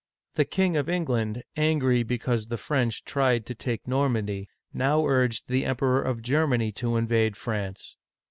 The King of England, angry because the French tried to take Normandy, now urged the Emperor of Germany to invade France.